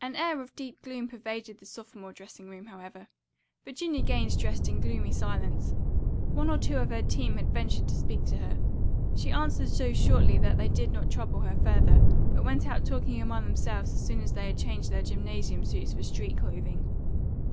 An air of deep gloom pervaded the sophomore dressing room, however. Virginia Gaines dressed in gloomy silence. One or two of her team ventured to speak to her. She answered so shortly that they did not trouble her further, but went out talking among themselves as soon as they had changed their gymnasium suits for street clothing.